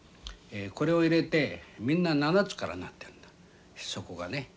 これを入れてみんな７つから成ってんだ底がね。